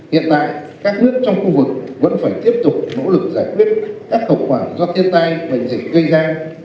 hiện tại các nước trong khu vực vẫn phải tiếp tục bỗ lực giải quyết các khẩu quả do thiết tai bệnh dịch gây ra